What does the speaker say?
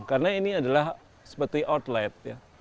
karena ini adalah seperti outlet